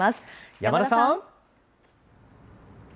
山田さん。